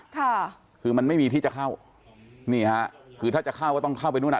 ค่ะคือมันไม่มีที่จะเข้านี่ฮะคือถ้าจะเข้าก็ต้องเข้าไปนู่นอ่ะ